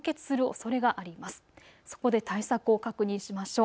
そこで対策を確認しましょう。